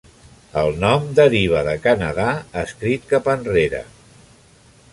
El nom deriva de Canadà, escrit cap enrere.